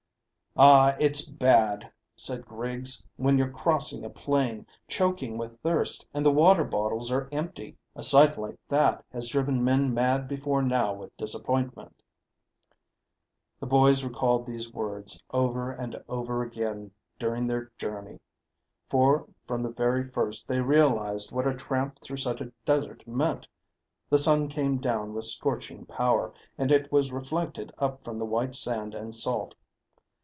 "Ah, it's bad," said Griggs, "when you're crossing a plain, choking with thirst, and the water bottles are empty. A sight like that has driven men mad before now with disappointment." The boys recalled these words over and over again during their journey, for from the very first they realised what a tramp through such a desert meant the sun came down with scorching power, and it was reflected up from the white sand and salt.